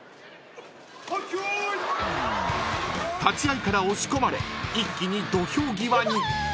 ［立ち合いから押し込まれ一気に土俵際に］